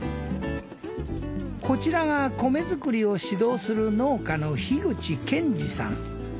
こちらが米作りを指導する農家の樋口賢治さん。